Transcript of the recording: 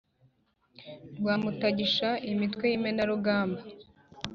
Rwa Mutagisha imitwe y'imenerarugamba,